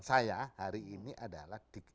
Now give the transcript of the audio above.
saya hari ini adalah